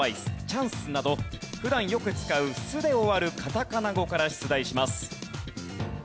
チャンスなど普段よく使う「ス」で終わるカタカナ語から出題します。